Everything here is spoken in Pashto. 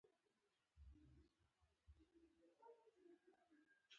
آیا مو فکر کړی چې ولې د ډار پر مهال د زړه ضربان زیاتیږي؟